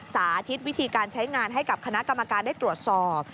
สาธิตวิธีการใช้งานให้กับคณะกรรมการได้ตรวจสอบ